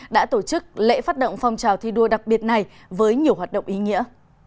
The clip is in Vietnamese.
đã tổ chức lễ phát động phong trào thi đua đặc biệt này với nhiều hoạt động ý nghĩa